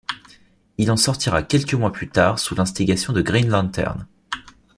Il en sortira quelques mois plus tard sous l'instigation de Green Lantern.